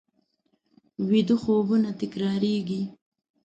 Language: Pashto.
ویده خوبونه تکرارېږي